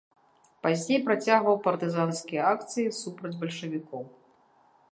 Пазней працягваў партызанскія акцыі супраць бальшавікоў.